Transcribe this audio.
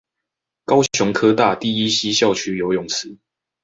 高雄科大第一西校區游泳池